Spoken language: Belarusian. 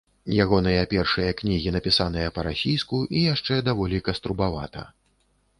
Ягоныя першыя кнігі напісаныя па-расійску і яшчэ даволі каструбавата.